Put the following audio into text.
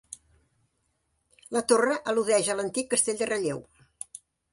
La torre al·ludeix a l'antic castell de Relleu.